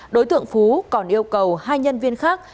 đối tượng phú còn yêu cầu hai nhân viên khác